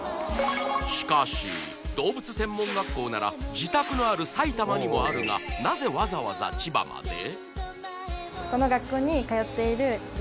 しかし動物専門学校なら自宅のある埼玉にもあるがなぜわざわざ千葉まで？